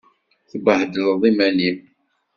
Tebbhedleḍ iman-im.